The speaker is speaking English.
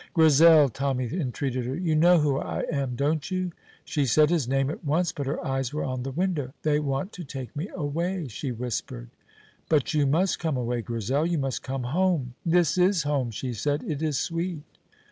"Grizel," Tommy entreated her, "you know who I am, don't you?" She said his name at once, but her eyes were on the window. "They want to take me away," she whispered. "But you must come away, Grizel. You must come home." "This is home," she said. "It is sweet."